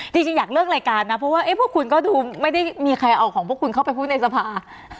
จริงอยากเลิกรายการนะเพราะว่าพวกคุณก็ดูไม่ได้มีใครเอาของพวกคุณเข้าไปพูดในสภา